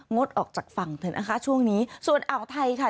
งดออกจากฝั่งเถอะนะคะช่วงนี้ส่วนอ่าวไทยค่ะ